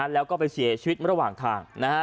แล้วก็ไปเสียชีวิตระหว่างทาง